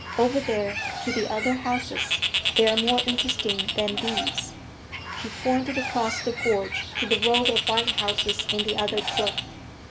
Over there, to the other houses. They are more interesting than these." She pointed across the gorge to the row of white houses in the other cliff.